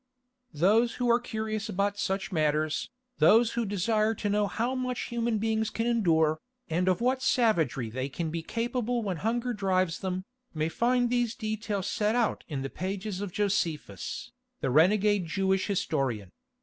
Those who are curious about such matters, those who desire to know how much human beings can endure, and of what savagery they can be capable when hunger drives them, may find these details set out in the pages of Josephus, the renegade Jewish historian.